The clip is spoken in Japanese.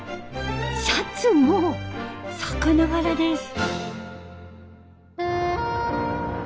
シャツも魚柄です。